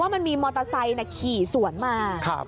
มันมีมอเตอร์ไซค์ขี่สวนมา